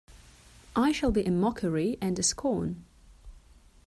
I shall be a mockery and a scorn.